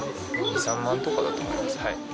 ２、３万とかだと思います。